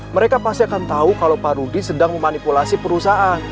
mereka pasti akan tau kalo pak rudy sedang memanipulasi perusahaan